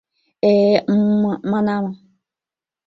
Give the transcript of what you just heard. Э... мм... манам...